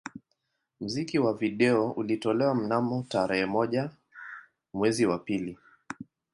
Muziki wa video ulitolewa mnamo tarehe moja mwezi wa pili